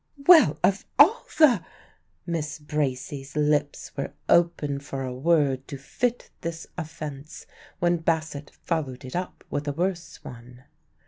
"Well, of all the " Miss Bracy's lips were open for a word to fit this offence, when Bassett followed it up with a worse one.